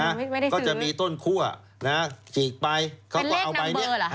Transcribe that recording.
ไม่ได้ซื้อก็จะมีต้นคั่วนะฮะอีกใบเขาก็เอาใบนี้เป็นเลขนำเบอร์เหรอฮะ